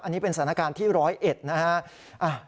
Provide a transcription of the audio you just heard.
อันนี้เป็นสถานการณ์ที่๑๐๑นะฮะ